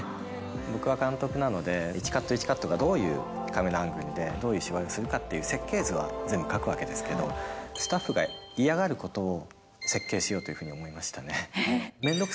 僕は監督なので、１カット１カットがどういうカメラアングルで、どういう芝居をするかっていう設計図は全部書くわけですけれども、スタッフが嫌がることを設計しようというふうに思いましたね。